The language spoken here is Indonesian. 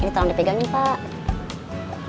ini tolong dipegangin pak